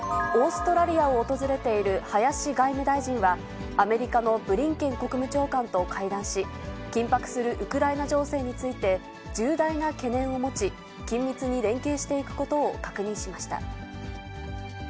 オーストラリアを訪れている林外務大臣は、アメリカのブリンケン国務長官と会談し、緊迫するウクライナ情勢について、重大な懸念を持ち、緊密に連携していくことを確認しました。